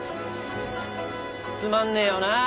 つまんねえよな！